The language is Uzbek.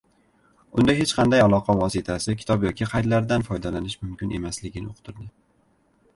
unda hech qanday aloqa vositasi, kitob yoki qaydlardan foydalanish mumkin emasligini uqtirdi.